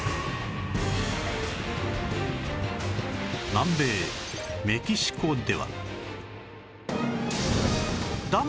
南米メキシコでは